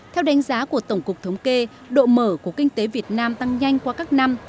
theo đánh giá của tổng cục thống kê độ mở của kinh tế việt nam tăng nhanh qua các năm